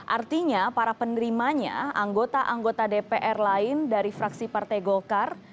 artinya para penerimanya anggota anggota dpr lain dari fraksi partai golkar